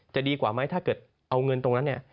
ดีกว่าไหมถ้าเกิดเอาเงินตรงนั้นเนี่ย